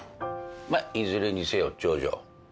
まあいずれにせよ長女。